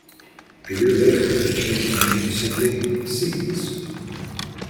A year later, they changed the name to simply Seize.